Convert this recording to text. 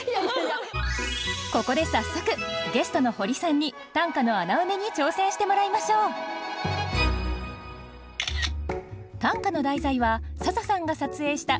ここで早速ゲストのホリさんに短歌の穴埋めに挑戦してもらいましょう短歌の題材は笹さんが撮影したこちらの画像